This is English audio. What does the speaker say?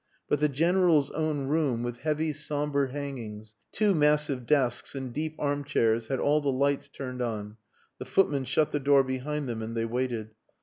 But the General's own room, with heavy sombre hangings, two massive desks, and deep armchairs, had all the lights turned on. The footman shut the door behind them and they waited.